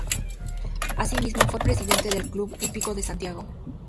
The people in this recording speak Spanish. Asimismo, fue presidente del Club Hípico de Santiago.